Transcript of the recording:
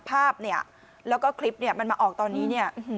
ภาพเนี่ยแล้วก็คลิปเนี่ยมันมาออกตอนนี้เนี่ย